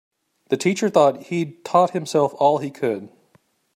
The teacher thought that he'd taught himself all he could.